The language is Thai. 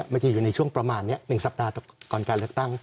มันจะอยู่ในช่วงประมาณนี้๑สัปดาห์ก่อนการเลือกตั้ง